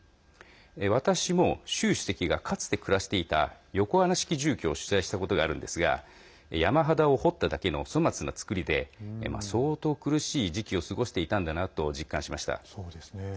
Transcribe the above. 私も習主席がかつて暮らしていた横穴式住居を取材したことがあるんですが山肌を掘っただけの粗末な造りで相当、苦しい時期を過ごしていたんだなと実感しました。